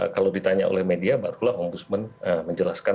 kalau ditanya oleh media barulah om busman menjelaskan